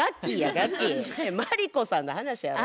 マリコさんの話やろ？